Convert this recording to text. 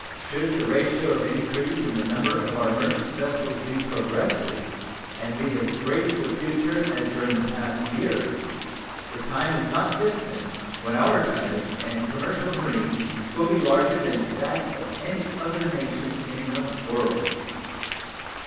Should the ratio of increase in the number of our merchant vessels be progressive, and be as great for the future as during the past year, the time is not distant when our tonnage and commercial marine will be larger than that of any other nation in the world.